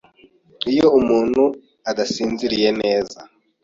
iyo umuntu adasinziriye neza